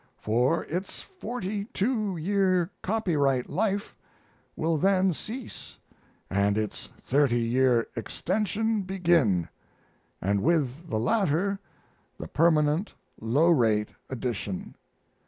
For its forty two year copyright life will then cease and its thirty year extension begin and with the latter the permanent low rate edition.